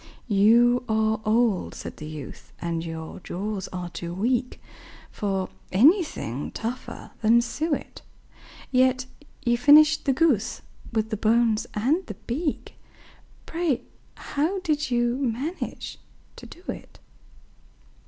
"You are old," said the youth, "and your jaws are too weak For anything tougher than suet; Yet you finished the goose, with the bones and the beak Pray, how did you manage to do it?"